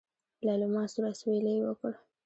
ليلما سوړ اسوېلی وکړ.